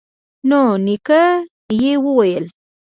نو نیکه یې وویل